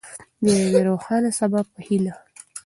د یوې روښانه سبا په هیله.